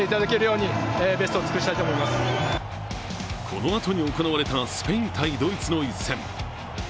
このあとに行われたスペイン×ドイツの一戦。